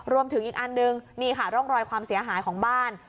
อีกอันนึงนี่ค่ะร่องรอยความเสียหายของบ้าน